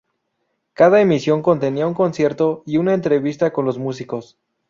Cada emisión contenía un concierto y una entrevista con los músicos.